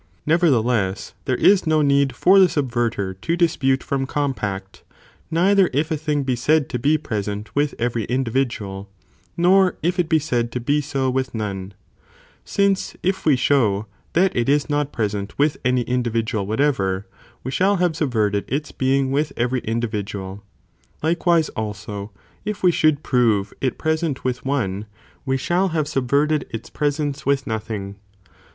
Nevertheless, there is no need for the subverter to dispute from compact, neither if a thing be said to be present with every individual, nor if it be said to be so with none, since if we show that it is not present with any individual whatever, we shall have subverted its being with every individual, likewise also if we should prove it present with one, we shall have subverted its presence with nothing.